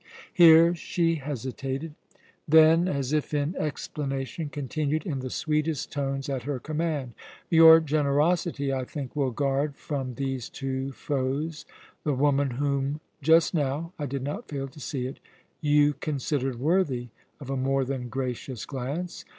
Here she hesitated; then, as if in explanation, continued in the sweetest tones at her command: "Your generosity, I think, will guard from these two foes the woman whom just now I did not fail to see it you considered worthy of a more than gracious glance.